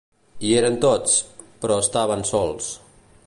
Hi eren tots, però estaven sols.